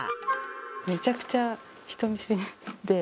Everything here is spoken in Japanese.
めちゃくちゃ人見知りで。